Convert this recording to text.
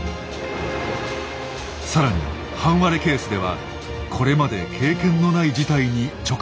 更に半割れケースではこれまで経験のない事態に直面します。